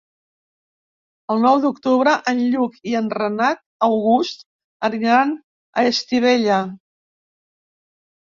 El nou d'octubre en Lluc i en Renat August aniran a Estivella.